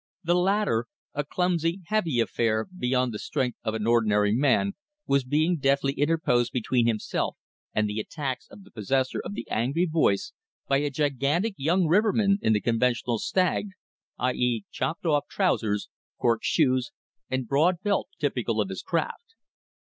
The latter, a clumsy heavy affair beyond the strength of an ordinary man, was being deftly interposed between himself and the attacks of the possessor of the angry voice by a gigantic young riverman in the conventional stagged (i.e., chopped off) trousers, "cork" shoes, and broad belt typical of his craft.